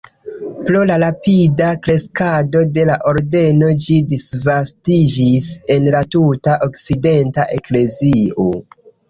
Pro la rapida kreskado de la ordeno ĝi disvastiĝis en la tuta okcidenta eklezio.